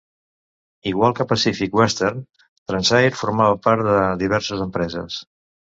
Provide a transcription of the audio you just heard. Igual que Pacific Western, Transair formava part de diverses empreses.